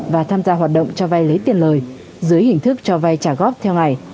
và tham gia hoạt động cho vai lấy tiền lời dưới hình thức cho vai trả góp theo ngày